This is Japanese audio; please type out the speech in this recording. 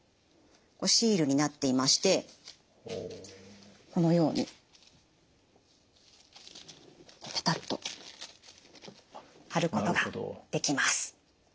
シールになっていましてこのようにペタッと貼ることができます。